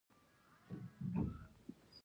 زموږ بس د اشغال شوي بیت المقدس ښار ته ننوت.